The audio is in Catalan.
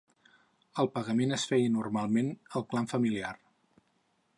El pagament es feia normalment al clan familiar.